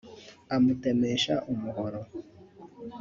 amutemesha umuhoro